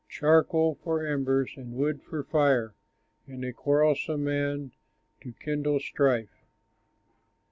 Charcoal for embers, and wood for fire, And a quarrelsome man to kindle strife!